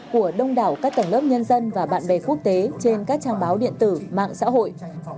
của đông đảo các tầng lớp nhân dân và bạn bè quốc tế trên các trang báo điện tử mạng xã hội